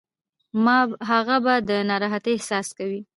هغه به د ناراحتۍ احساس کوي.